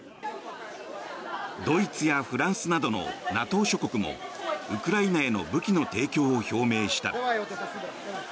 ドイツやフランスなどのＮＡＴＯ諸国もウクライナへの武器の提供を表明した。